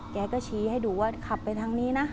แกก็ชี้ให้ดูว่าขับไปทางนี้นะ